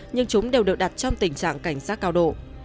nhưng chúng đều được đặt trong tình trạng cảnh sát cao độ